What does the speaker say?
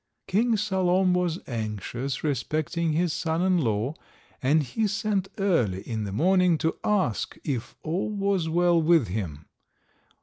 King Salom was anxious respecting his son in law, and he sent early in the morning to ask if all was well with him.